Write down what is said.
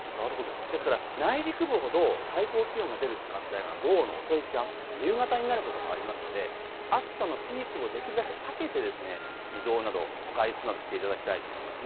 ですから内陸部ほど最高気温が出る時間帯が午後の遅い時間、夕方になることもありますので暑さピークをできるだけ避けて移動など、外出などしていただきたいと思います。